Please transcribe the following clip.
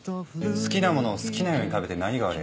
好きなものを好きなように食べて何が悪い。